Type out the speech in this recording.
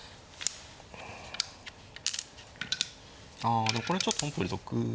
あでもこれちょっと本譜より得。